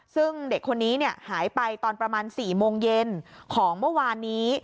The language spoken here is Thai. ซึ่งเด็กคนนี้หายไปตอนประมาณ๔โมงเย็นของเมื่อวานนี้